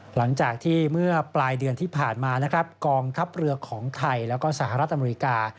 หลังจากที่เมื่อปลายเดือนที่ผ่านมานะครับกองทัพเรือของไทยแล้วก็สหรัฐอเมริกา